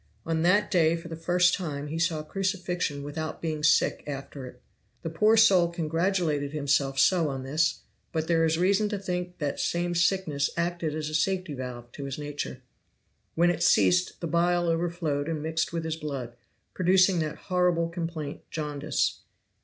On that day for the first time he saw a crucifixion without being sick after it. The poor soul congratulated himself so on this; but there is reason to think that same sickness acted as a safety valve to his nature; when it ceased the bile overflowed and mixed with his blood, producing that horrible complaint jaundice.